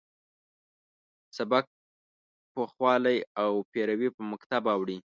د سبک پوخوالی او پیروي په مکتب اوړي.